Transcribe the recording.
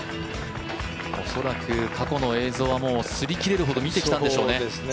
恐らく、過去の映像は擦り切れるほど見てきたんでしょうね。